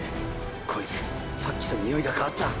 こいつさっきとニオイが変わった。